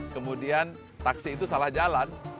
kemudian taksi itu salah jalan